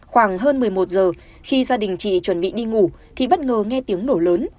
khoảng hơn một mươi một giờ khi gia đình chị chuẩn bị đi ngủ thì bất ngờ nghe tiếng nổ lớn